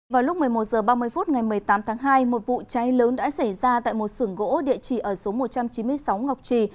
vào lúc một mươi một h ba mươi phút ngày một mươi tám tháng hai một vụ cháy lớn đã xảy ra tại một sưởng gỗ địa chỉ ở số một trăm chín mươi sáu ngọc trì